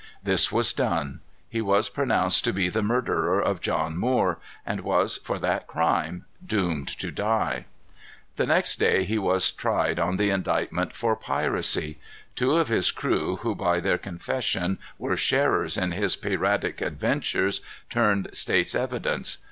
This was done. He was pronounced to be the murderer of John Moore, and was, for that crime, doomed to die. The next day he was tried on the indictment for piracy. Two of his crew, who, by their confession, were sharers in his piratic adventures, turned state's evidence.